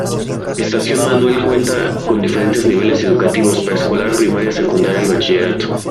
Estación Manuel Cuenta con diferentes niveles educativos, Preescolar, primaria, secundaria y Bachillerato